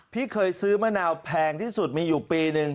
พี่เคยซื้อมะนาวแพงที่สุดมีอยู่ปีหนึ่ง